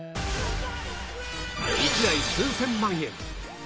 １台数千万円